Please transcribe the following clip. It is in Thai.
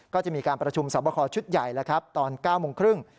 ก็จะมีการประชุมสบคชุดใหญ่ตอน๙โมงครึ่ง